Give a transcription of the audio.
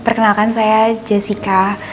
perkenalkan saya jessica